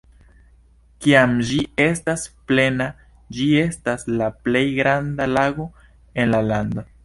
Kiam ĝi estas plena, ĝi estas la plej granda lago en la lando.